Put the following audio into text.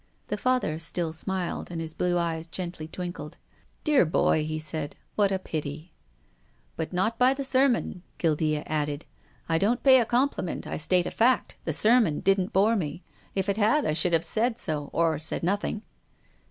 The Father still smiled, and his blue eyes gently twinkled. " Dear, dear !" he said, " what a pity !"" But not by the sermon," Guildea added. " I don't pay a compliment. I state a fact. The sermon didn't bore me. If it had, I should have said so, or said nothing."